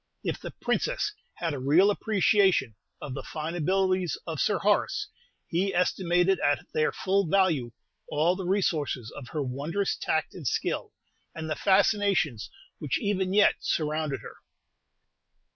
If the Princess had a real appreciation of the fine abilities of Sir Horace, he estimated at their full value all the resources of her wondrous tact and skill, and the fascinations which even yet surrounded her.